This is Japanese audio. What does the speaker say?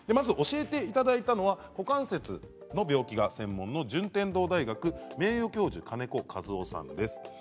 教えていただいたのは股関節の病気が専門の順天堂大学名誉教授金子和夫さんです。